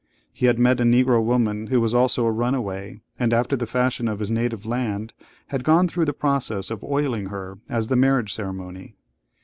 He had met a Negro woman who was also a runaway; and, after the fashion of his native land, had gone through the process of oiling her as the marriage ceremony.